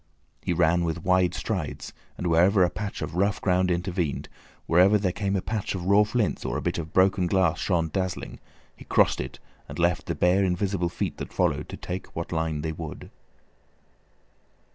He ran with wide strides, and wherever a patch of rough ground intervened, wherever there came a patch of raw flints, or a bit of broken glass shone dazzling, he crossed it and left the bare invisible feet that followed to take what line they would.